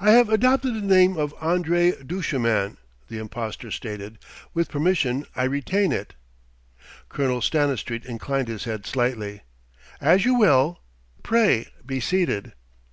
"I have adopted the name of André Duchemin," the impostor stated. "With permission I retain it." Colonel Stanistreet inclined his head slightly. "As you will. Pray be seated."